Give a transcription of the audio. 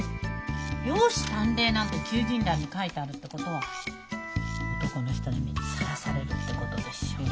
容姿端麗なんて求人欄に書いてあるってことは男の人の目にさらされるってことでしょう。